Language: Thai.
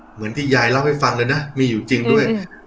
เหมือนที่ยายเล่าให้ฟังเลยนะมีอยู่จริงด้วย